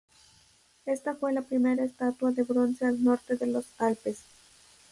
Esta fue la primera estatua de bronce al norte de los Alpes.